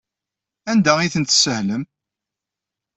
Anda ay tent-tessahlem?